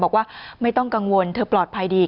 บอกว่าไม่ต้องกังวลเธอปลอดภัยดี